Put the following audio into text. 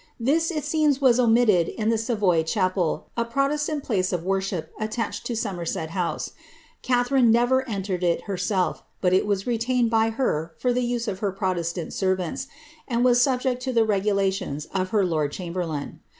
This it seems was omitted in the Savoy chapel, a protestant place of worship attached to Somerset House. Ca* tharioe never entered it herself, but it was retained by her for the use of her protestant servants, and was subject to the regulations of her lord chamberlain.